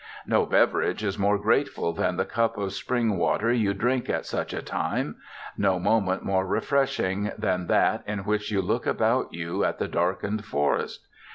No beverage is more grateful than the cup of spring water you drink at such a time; no moment more refreshing than that in which you look about you at the darkened forest.